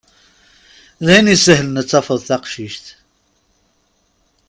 Dayen isehlen ad tafeḍ taqcict.